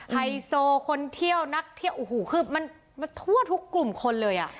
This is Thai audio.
ไฮโซคนเที่ยวนักเที่ยวโอ้โหคือมันทั่วทุกกลุ่มคนเลยอ่ะ